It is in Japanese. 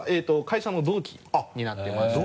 会社の同期になってまして。